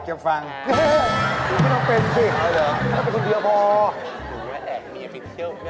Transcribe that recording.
คือว่าหนูน่ะไม่อยากสิบเมาใช้เลยนะ